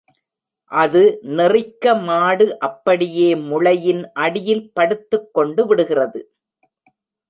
அது நெறிக்க மாடு அப்படியே முளையின் அடியில் படுத்துக் கொண்டுவிடுகிறது.